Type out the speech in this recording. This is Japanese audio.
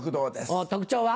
お特徴は？